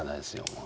もう。